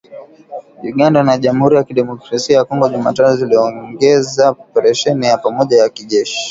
Uganda na Jamhuri ya Kidemokrasia ya Kongo Jumatano ziliongeza operesheni ya pamoja ya kijeshi.